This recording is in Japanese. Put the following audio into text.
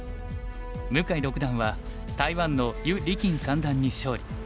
向井六段は台湾の兪俐均三段に勝利